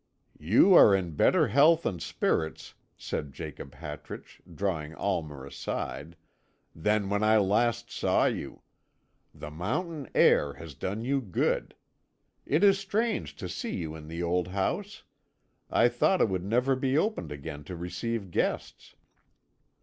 "You are in better health and spirits," said Jacob Hartrich, drawing Almer aside, "than when I last saw you. The mountain air has done you good. It is strange to see you in the old house; I thought it would never be opened again to receive guests."